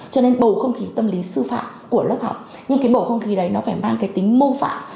cho nên bầu không khí tâm lý sư phạm của lớp học nhưng cái bầu không khí đấy nó phải mang cái tính mô phạm